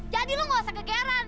jadi lo enggak usah gegeran